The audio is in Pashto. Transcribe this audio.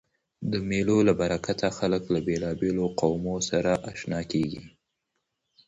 د مېلو له برکته خلک له بېلابېلو قومو سره آشنا کېږي.